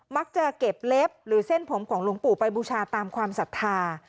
มักจะเก็บเล็บหรือเส้นผมของหลวงปู่ไปบูชาตามความศรัทธา